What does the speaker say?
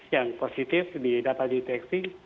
yang positif didapat deteksi